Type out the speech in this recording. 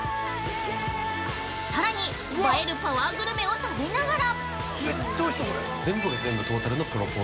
さらに、映えるパワーグルメを食べながら！